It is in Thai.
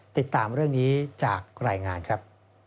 ติดตามเรื่องนี้จากรายงานครับ